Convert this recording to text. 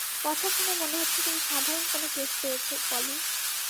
কথা শুনে মনে হচ্ছে তুমি সাধারণ কোনো কেস পেয়েছো, পলি।